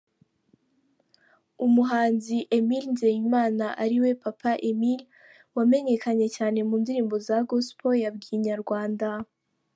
Umuhanzi Emile Nzeyimana ariwe Papa Emile wamenyekanye cyane mu ndirimbo za Gospel, yabwiye Inyarwanda.